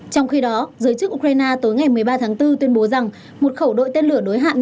trong khi đó giới chức ukraine tối ngày một mươi ba tháng bốn tuyên bố rằng một khẩu đội tên lửa đối hạ